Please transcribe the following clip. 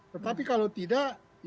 tetapi kalau tidak